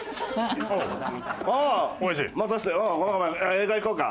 映画行こうか。